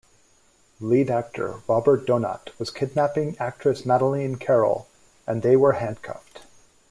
Lead actor Robert Donat was kidnapping actress Madeleine Carroll and they were handcuffed.